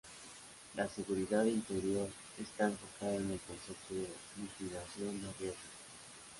La seguridad interior está enfocada en el concepto de mitigación de riesgos.